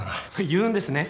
言うんですね。